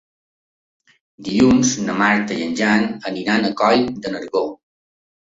Dilluns na Marta i en Jan aniran a Coll de Nargó.